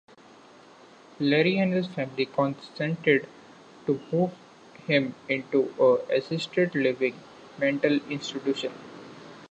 Larry and his family consented to move him into an assisted-living mental institution.